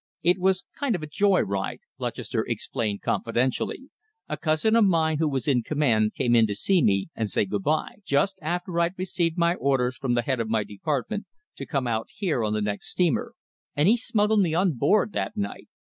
"It was kind of a joy ride," Lutchester explained confidentially, "a cousin of mine who was in command came in to see me and say good by, just after I'd received my orders from the head of my department to come out here on the next steamer, and he smuggled me on board that night.